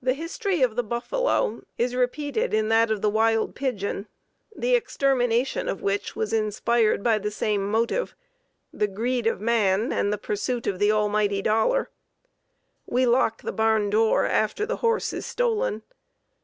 The history of the buffalo is repeated in that of the wild pigeon, the extermination of which was inspired by the same motive: the greed of man and the pursuit of the almighty dollar. We lock the barn door after the horse is stolen.